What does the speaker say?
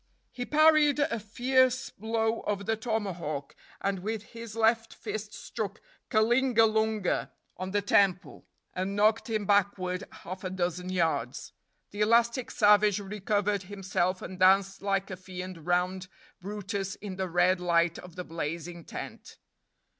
He parried a fierce blow of the tomahawk, and with his left fist struck Kalingalunga on the temple, and knocked him backward half a dozen yards. The elastic savage recovered himself and danced like a fiend round brutus in the red light of the blazing tent.